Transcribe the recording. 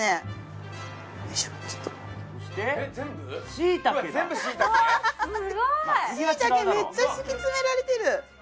椎茸めっちゃ敷き詰められてる。